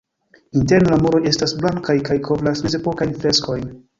Interne la muroj estas blankaj kaj kovras mezepokajn freskojn.